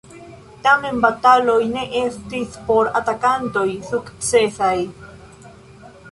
Tamen bataloj ne estis por atakantoj sukcesaj.